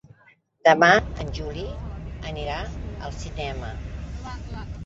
Demà en Juli anirà al cinema.